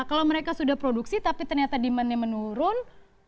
kalau mereka sudah produksi tapi ternyata demandnya menurun